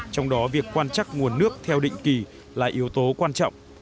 trong đó việc quan trắc nguồn nước theo định kỳ là yếu tố quan trọng